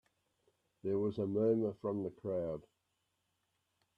There was a murmur from the crowd.